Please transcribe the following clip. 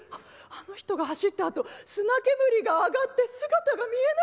あの人が走ったあと砂煙が上がって姿が見えなくなっちゃった。